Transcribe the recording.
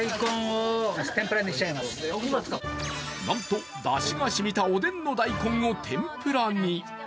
なんとだしが染みたおでんの大根を天ぷらに。